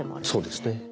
そうですね。